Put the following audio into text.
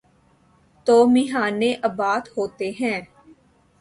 تو میخانے آباد ہوتے ہیں۔